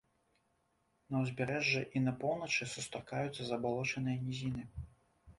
На ўзбярэжжы і на поўначы сустракаюцца забалочаныя нізіны.